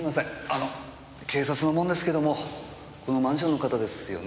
あの警察の者ですけどもこのマンションの方ですよね？